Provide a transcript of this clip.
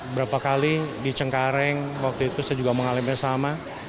berapa kali di cengkareng waktu itu saya juga mengalami yang sama